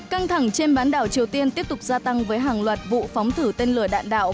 căng thẳng trên bán đảo triều tiên tiếp tục gia tăng với hàng loạt vụ phóng thử tên lửa đạn đạo